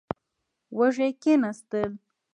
وږي کېناستل.